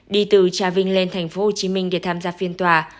đi từ trà vinh lên tp hcm để tham gia phiên tòa